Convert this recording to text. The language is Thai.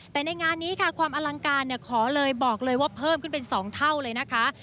แต่ในงานนี้ค่ะความอลังการขอเลยบอกเลยว่าเพิ่มขึ้นเป็น๒เท่าเลยนะคะ